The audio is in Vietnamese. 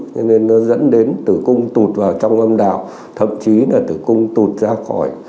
nên nó dẫn đến tử cung tụt vào trong âm đạo thậm chí là tử cung tụt ra khỏi